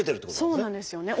そうなんですよね。